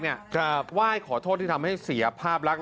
ไหว้ขอโทษที่ทำให้เสียภาพลักษณ